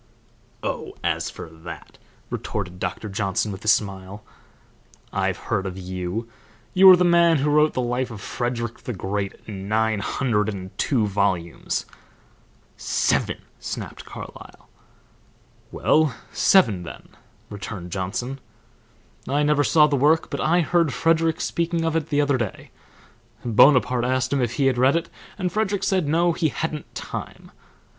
"Oh, as for that," retorted Doctor Johnson, with a smile, "I've heard of you; you are the man who wrote the life of Frederick the Great in nine hundred and two volumes " "Seven!" snapped Carlyle. "Well, seven then," returned Johnson. "I never saw the work, but I heard Frederick speaking of it the other day. Bonaparte asked him if he had read it, and Frederick said no, he hadn't time.